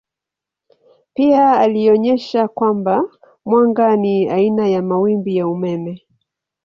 Pia alionyesha kwamba mwanga ni aina ya mawimbi ya umeme.